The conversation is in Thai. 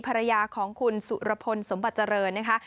ภรรยาของคุณสุรพลสมบัติเจริญนะคะ